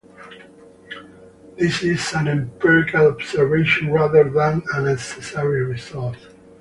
This is an empirical observation rather than a necessary result.